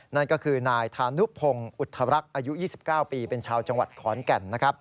นั่นก็คือนายธานุพงศ์อุทธรักษ์อายุ๒๙ปีเป็นชาวจังหวัดขอนแก่น